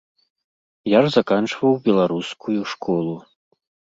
Я ж заканчваў беларускую школу.